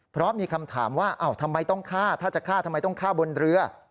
เพราะมีคำถามว่าทำไมต้องฆ่าถ้าจะฆ่าทำไมต้องฆ่าบนเรือ